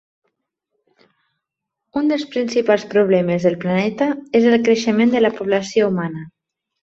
Un dels principals problemes del planeta és el creixement de la població humana.